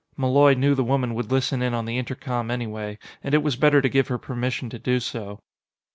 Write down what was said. Malloy knew the woman would listen in on the intercom anyway, and it was better to give her permission to do so.